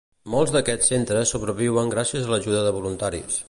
Molts d'aquests centres sobreviuen gràcies a l'ajuda de voluntaris.